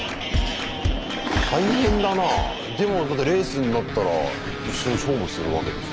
でもレースになったら一緒に勝負するわけでしょ？